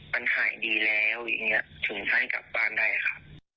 มันหายดีแล้วถึงให้กลับบ้านได้ค่ะ